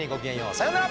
さようなら！